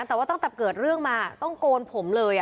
แต่ว่าตั้งแต่เกิดเรื่องมาต้องโกนผมเลย